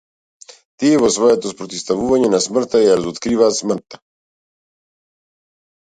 Тие во своето спротивставување на смртта ја разоткриваат смртта.